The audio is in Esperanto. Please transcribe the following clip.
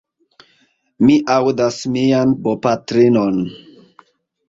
Mi aŭdas mian bopatrinon.